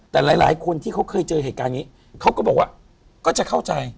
แต่หลายคนที่เขาเคยเจอเหตุการณ์นี้เขาก็บอกว่าก็จะเข้าใจ